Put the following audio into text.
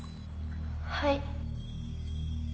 はい。